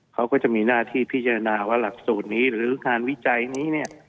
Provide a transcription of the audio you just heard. เขาก็จะมีหน้าที่พิจารณาว่าหลักสูตรนี้หรืองานวิจัยนี้เนี่ย